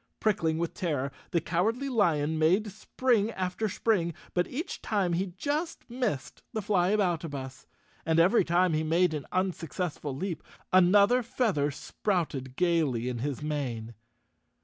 | Prickling with terror, the Cowardly Lion made spring after spring, but each time he just missed the Flyaboutabus. And every time he made an unsuccessful leap, another feather sprouted gaily in his mane.